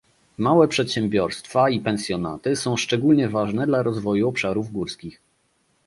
Małe przedsiębiorstwa i pensjonaty są szczególnie ważne dla rozwoju obszarów górskich